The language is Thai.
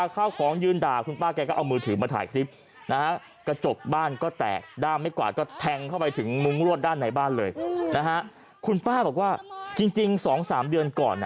คุณป้าบอกว่าจริง๒๓เดือนก่อน